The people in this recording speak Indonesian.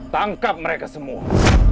tangkap mereka semua